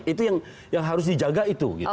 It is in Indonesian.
itu yang harus dijaga itu